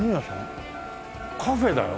カフェだよ！